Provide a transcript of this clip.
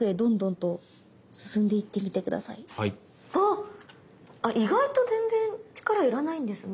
あっ意外と全然力いらないんですね